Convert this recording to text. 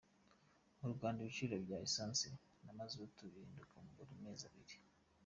Mu Rwanda ibiciro bya Essance na Mazutu bihinduka buri mezi abiri.